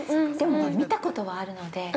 でも、見たことはあるので。